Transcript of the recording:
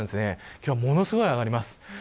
今日はものすごい上がります。